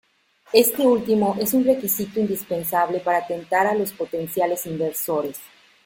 Esto último es un requisito indispensable para tentar a los potenciales inversores.